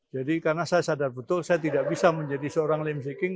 jadi karena saya sadar betul saya tidak bisa menjadi seorang lim swicking